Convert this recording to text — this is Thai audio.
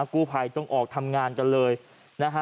กู้ภัยต้องออกทำงานกันเลยนะฮะ